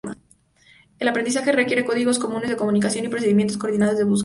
El aprendizaje requiere códigos comunes de comunicación y procedimientos coordinados de búsqueda.